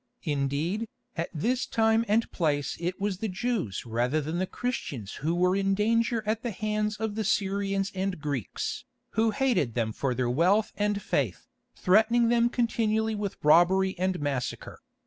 Indeed, at this time and place it was the Jews rather than the Christians who were in danger at the hands of the Syrians and Greeks, who hated them for their wealth and faith, threatening them continually with robbery and massacre.